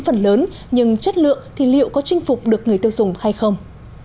phần lớn nhưng chất lượng thì liệu có chinh phục được người tiêu dùng hay không